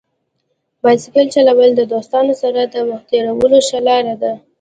بایسکل چلول د دوستانو سره د وخت تېرولو ښه لار ده.